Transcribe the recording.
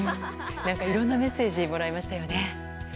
いろんなメッセージをもらいましたよね。